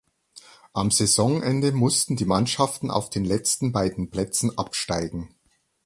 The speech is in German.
Am Saisonende mussten die Mannschaften auf den letzten beiden Plätzen absteigen.